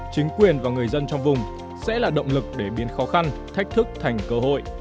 chính quyền và người dân trong vùng sẽ là động lực để biến khó khăn thách thức thành cơ hội